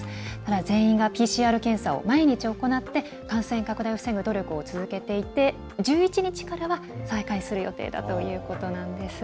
全員がＰＣＲ検査を毎日行って感染拡大を防ぐ努力を続けていて１１日からは再開する予定だということなんです。